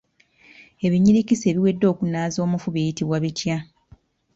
Ebinyirikisi ebiwedde okunaaza omufu biyitibwa bitya?